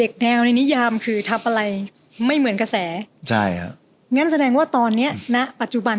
ใครมาว่าเราก็จะ